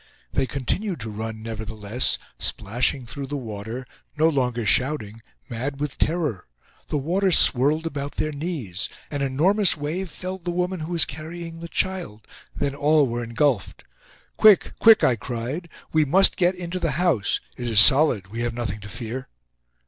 They continued to run, nevertheless, splashing through the water, no longer shouting, mad with terror. The water swirled about their knees. An enormous wave felled the woman who was carrying the child. Then all were engulfed. "Quick! Quick!" I cried. "We must get into the house. It is solid—we have nothing to fear."